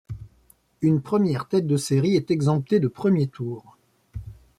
Une première tête de série est exemptée de premier tour.